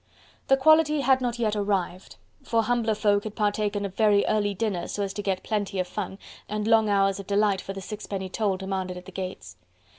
The quality had not yet arrived: for humbler folk had partaken of very early dinner so as to get plenty of fun, and long hours of delight for the sixpenny toll demanded at the gates.